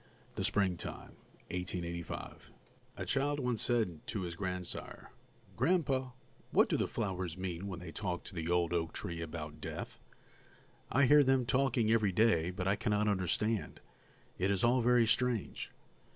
+THE SPRINGTIME+ THE SPRINGTIME A child once said to his grandsire: "Gran'pa, what do the flowers mean when they talk to the old oak tree about death? I hear them talking every day, but I cannot understand; it is all very strange."